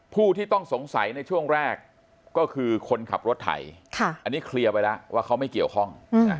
ผู้ที่ต้องสงสัยในช่วงแรกก็คือคนขับรถไถอันนี้เคลียร์ไปแล้วว่าเขาไม่เกี่ยวข้อง